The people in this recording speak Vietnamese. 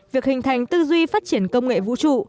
việc hình thành tư duy phát triển công nghệ vũ trụ